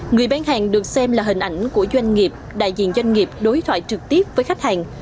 người bán hàng được xem là hình ảnh của doanh nghiệp đại diện doanh nghiệp đối thoại trực tiếp với khách hàng